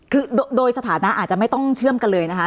คือโดยสถานะอาจจะไม่ต้องเชื่อมกันเลยนะคะ